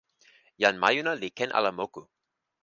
jan majuna li ken ala moku.